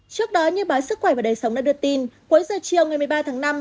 trước đó như báo sức khỏe và đời sống đã đưa tin cuối giờ chiều ngày một mươi ba tháng năm